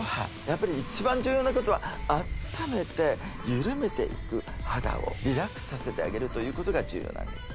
やっぱり一番重要なことはあっためて緩めていく肌をリラックスさせてあげるということが重要なんです